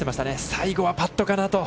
最後はパットかなと。